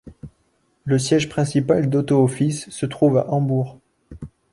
Le siège principal d’Otto Office se trouve à Hambourg.